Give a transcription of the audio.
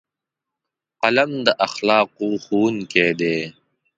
قلم د اخلاقو ښوونکی دی